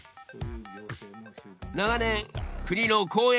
長年国の公園